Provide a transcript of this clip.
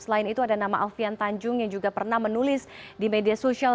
selain itu ada nama alfian tanjung yang juga pernah menulis di media sosial